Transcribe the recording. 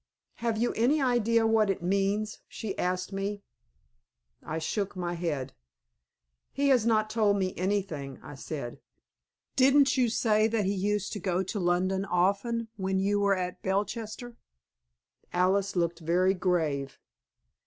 "Have you any idea what it means?" she asked me. I shook my head. "He has not told me anything," I said. "Didn't you say that he used to go to London often when you were at Belchester?" Alice looked very grave.